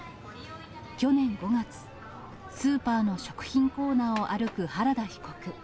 去年５月、スーパーの食品コーナーを歩く原田被告。